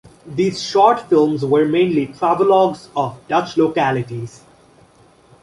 These short films were mainly travelogues of Dutch localities.